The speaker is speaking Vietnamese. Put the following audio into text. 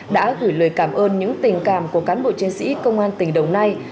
đã gửi lời cảm ơn những tình cảm của cán bộ chiến sĩ công an tỉnh đồng nai